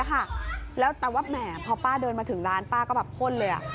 แล้วแต่ว่าแหมพอป้าเดินมาถึงร้านป้าก็แบบพ่นเลย